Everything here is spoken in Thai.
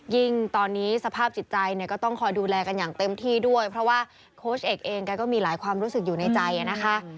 ยิ่งตอนนี้สภาพจิตใจเนี่ยก็ต้องคอยดูแลกันอย่างเต็มที่ด้วยเพราะว่าโค้ชเอกเองแกก็มีหลายความรู้สึกอยู่ในใจนะคะ